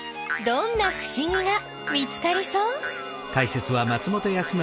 どんなふしぎが見つかりそう？